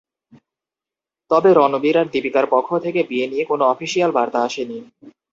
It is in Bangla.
তবে রণবীর আর দীপিকার পক্ষ থেকে বিয়ে নিয়ে কোনো অফিশিয়াল বার্তা আসেনি।